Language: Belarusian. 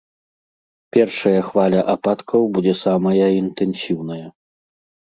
Першая хваля ападкаў будзе самая інтэнсіўная.